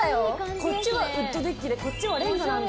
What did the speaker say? こっちはウッドデッキでこっちはレンガなんだ。